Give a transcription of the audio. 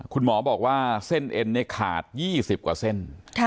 คุณหมอบอกว่าเส้นเอ็นขาด๒๐กว่าเส้น